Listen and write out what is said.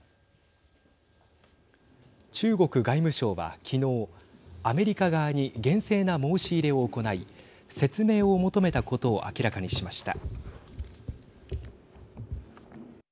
中国外務省は昨日アメリカ側に厳正な申し入れを行い説明を求めたことを明らかにしました。